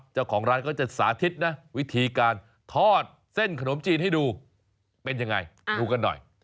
เจ้าของร้านก็จะสาธิตนะวิธีการทอดเส้นขนมจีนให้ดูเป็นยังไงดูกันหน่อย